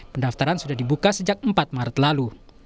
pendaftaran sudah dibuka sejak empat maret lalu